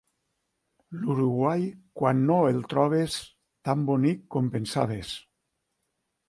L'Uruguai quan no el trobes tan bonic com pensaves.